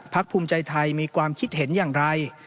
ภูมิใจไทยมีความคิดเห็นอย่างไร